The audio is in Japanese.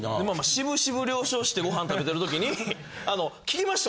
渋々了承してご飯食べてるときに「聞きました？